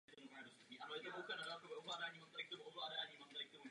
Rozdíly mezi těmito systémy jsou matematické.